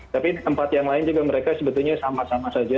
tapi di tempat yang lain juga mereka sebetulnya sama sama saja